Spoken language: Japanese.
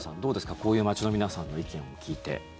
こういう街の皆さんの意見を聞いて。